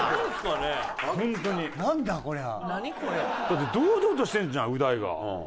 だって堂々としてるじゃんう大が。